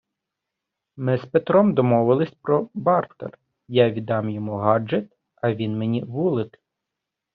Ми з Петром домовились про бартер: я віддам йому гаджет, а він мені - вулик